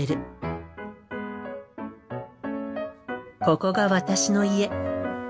ここが私の家。